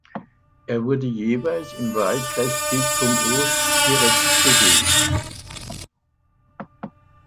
Er wurde jeweils im Wahlkreis Beckum-Ost direkt gewählt.